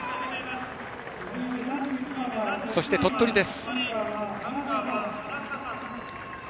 そして鳥取です。